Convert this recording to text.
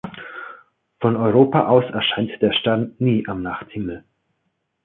Von Europa aus erscheint der Stern nie am Nachthimmel.